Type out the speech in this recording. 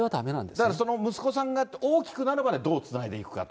だから息子さんが大きくなるまでどうつないでいくかと。